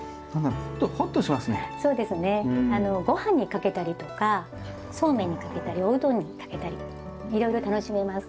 ごはんにかけたりとかそうめんにかけたりおうどんにかけたりいろいろ楽しめます。